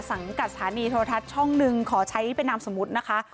สังกัดสถานีโทรทัศน์ช่องหนึ่งขอใช้เป็นนามสมมุตินะคะ